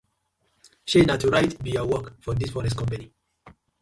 Shey na to write bi yur work for dis forest company.